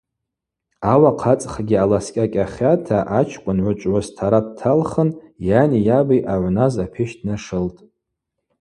Ауахъ ацӏхгьи аласкӏьакӏьахьата ачкӏвын гӏвычӏвгӏвыс тара дталхын йани йаби ъагӏвназ апещ днашылтӏ.